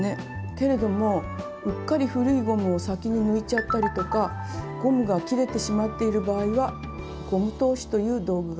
けれどもうっかり古いゴムを先に抜いちゃったりとかゴムが切れてしまっている場合はゴム通しという道具があると便利ですね。